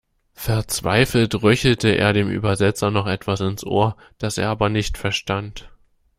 Verzweifelt röchelte er dem Übersetzer noch etwas ins Ohr, das er aber nicht verstand.